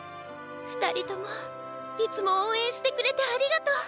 ふたりともいつもおうえんしてくれてありがとう。